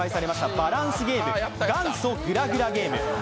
バランスゲーム、元祖ぐらぐらゲーム。